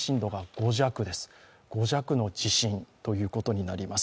５弱の地震ということになります。